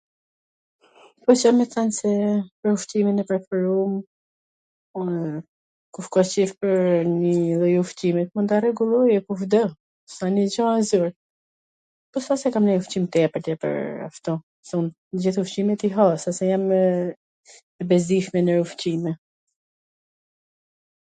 Desha me than se me ushqimin e preferum unw ... kush ka qef pwr njw lloj ushqimi mund ta rregulloj, po ... nuk a se kam nonjw ushqim tepwr pwr ashtu, se un gjith ushqimet i ha, s wsht se jam e bezdisshme nwr ushqime